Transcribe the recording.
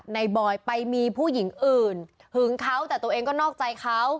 บอยไปมีผู้หญิงอื่นหึงเขาแต่ตัวเองก็นอกใจเขา